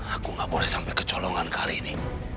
aku gak boleh sampai ke colongan kali ini